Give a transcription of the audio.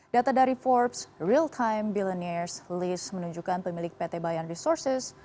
data dari forbes real time billines list menunjukkan pemilik pt bayan resources